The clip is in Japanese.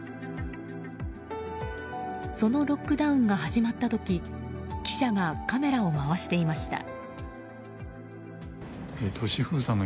そのロックダウンが始まった時記者がカメラを回していました。